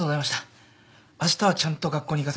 あしたはちゃんと学校に行かせますから。